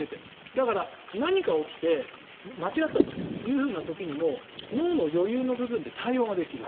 だから何か起きて間違ったという時にも脳の余裕の部分で対応ができると。